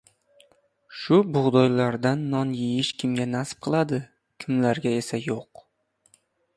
Shu bugʻdoylardan non yeyish kimga nasib qiladi kimlarga esa yoʻq...